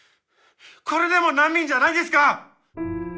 これでも難民じゃないですか！